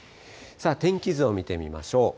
天気図を見てみましょう。